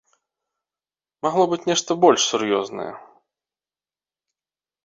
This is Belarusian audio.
Магло быць нешта больш сур'ёзнае.